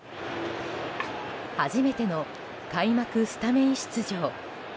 初めての開幕スタメン出場。